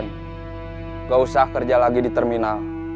tidak usah kerja lagi di terminal